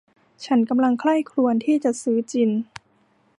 ฉันกำลังใคร่ครวญที่จะซื้อจิน